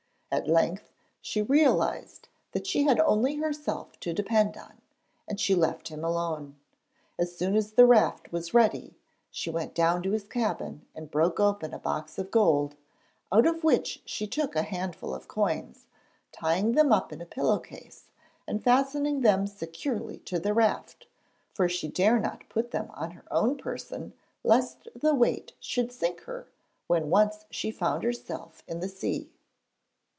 At length she realised that she had only herself to depend on, and left him alone. As soon as the raft was ready, she went down to his cabin and broke open a box of gold, out of which she took a handful of coins, tying them up in a pillow case and fastening them securely to the raft, for she dare not put them on her own person lest the weight should sink her when once she found herself in the sea.